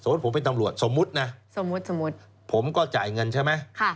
สมมุติผมเป็นตำรวจสมมุตินะสมมุติสมมุติผมก็จ่ายเงินใช่ไหมค่ะ